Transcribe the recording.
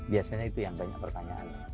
biasanya itu yang banyak pertanyaan